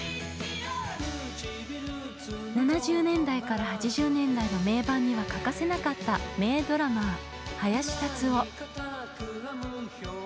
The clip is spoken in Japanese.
７０年代から８０年代の名盤には欠かせなかった名ドラマー林立夫。